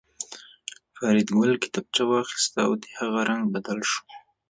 فریدګل کتابچه واخیسته او د هغه رنګ بدل شو